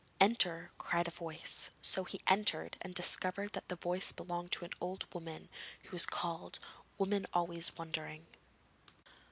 'Enter!' cried a voice, so he entered, and discovered that the voice belonged to an old woman, who was called 'Woman always wondering.'